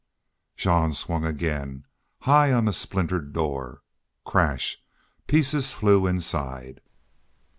Jean swung again, high on the splintered door. Crash! Pieces flew inside.